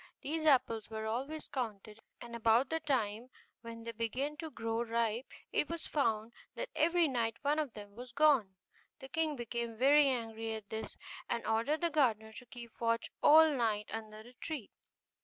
These apples were always counted, and about the time when they began to grow ripe it was found that every night one of them was gone. The king became very angry at this, and ordered the gardener to keep watch all night under the tree.